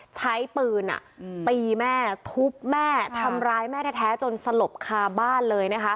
ใช้ปืนตีแม่ทุบแม่ทำร้ายแม่แท้จนสลบคาบ้านเลยนะคะ